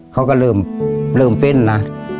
เขาก็เริ่มเต้นนะ